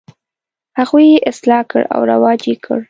هغوی یې اصلاح کړه او رواج یې کړ.